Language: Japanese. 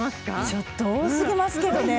ちょっと多すぎますけどね。